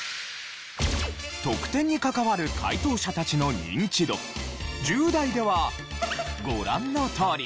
得点に関わる解答者たちのニンチド１０代ではご覧のとおり。